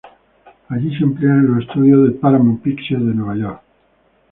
Allí se emplea en los estudios Paramount Pictures de Nueva York.